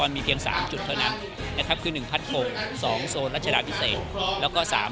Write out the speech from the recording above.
รวมทั้งดำเนินคดีกับกาทที่ดูแล